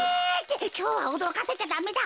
きょうはおどろかせちゃダメだ。